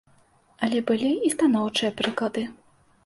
Але былі і станоўчыя прыклады.